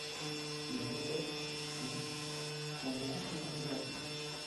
Les essais sous sont beaucoup plus problématiques.